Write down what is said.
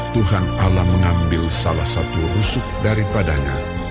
tuhan alam mengambil salah satu rusuk daripadanya